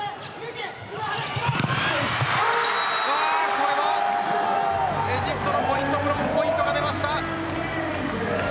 これはエジプトのブロックポイントが出ました。